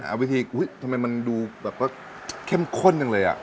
วิธีทำไมมันดูแบบว่าเข้มข้นจังเลยอ่ะ